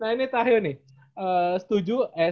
nah ini tahil nih